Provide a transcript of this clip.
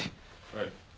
はい。